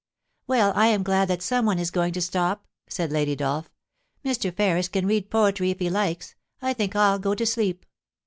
* Well, I am glad that some one is going to stop,' said Lady Dolph. * Mr. Ferris can read poetry if he likes. I think I'll go to sleep.